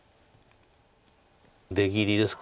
出切りですか。